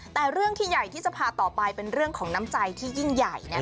แต่เรื่องที่ใหญ่ที่จะพาต่อไปเป็นเรื่องของน้ำใจที่ยิ่งใหญ่